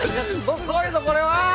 すごいぞこれは！